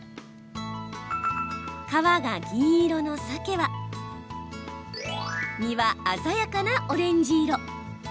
皮が銀色のサケは身は鮮やかなオレンジ色。